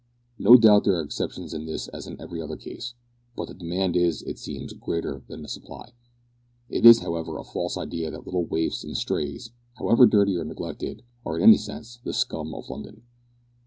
No doubt there are exceptions in this as in every other case, but the demand is, it seems, greater than the supply. It is, however, a false idea that little waifs and strays, however dirty or neglected, are in any sense the scum of London.